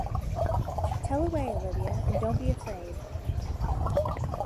Tell away, Olivia, and don't be afraid.